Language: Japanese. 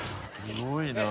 すごいな。